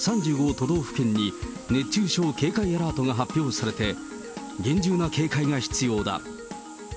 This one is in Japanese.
都道府県に熱中症警戒アラートが発表されて、厳重な警戒が必要だ。